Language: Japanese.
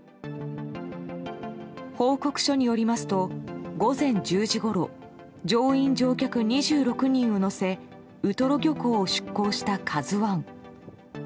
報告書によりますと午前１０時ごろ乗員・乗客２６人を乗せウトロ漁港を出港した「ＫＡＺＵ１」。